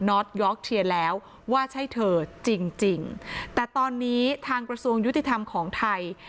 ็อตยอกเชียร์แล้วว่าใช่เธอจริงจริงแต่ตอนนี้ทางกระทรวงยุติธรรมของไทย